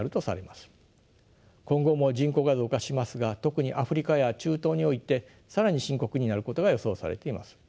今後も人口が増加しますが特にアフリカや中東において更に深刻になることが予想されています。